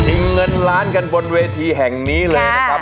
เงินล้านกันบนเวทีแห่งนี้เลยนะครับ